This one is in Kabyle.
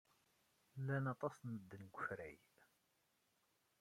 Llan aṭas n medden deg wefrag.